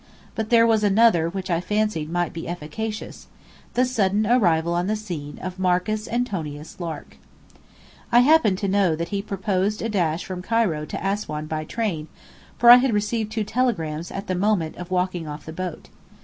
But there was another which I fancied might be efficacious; the sudden arrival on the scene of Marcus Antonius Lark. I happened to know that he proposed a dash from Cairo to Assuan by train, for I had received two telegrams at the moment of walking off the boat.